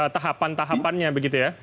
tahapan tahapannya begitu ya